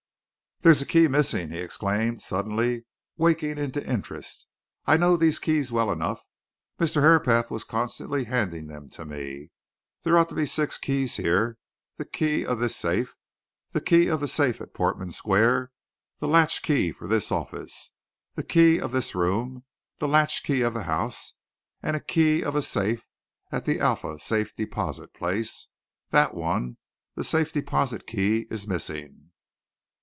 "There's a key missing!" he exclaimed, suddenly waking into interest. "I know these keys well enough Mr. Herapath was constantly handing them to me. There ought to be six keys here the key of this safe, the key of the safe at Portman Square, the latch key for this office, the key of this room, the latch key of the house, and a key of a safe at the Alpha Safe Deposit place. That one the Safe Deposit key is missing."